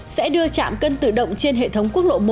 sẽ đưa trạm cân tự động trên hệ thống quốc lộ một